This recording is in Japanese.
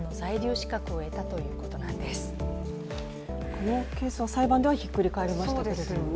このケースは裁判でひっくり返りましたけどね。